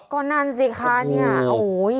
ก็นั่นสิคะเนี่ยโอ้ยเราอยากจะเตือนนะ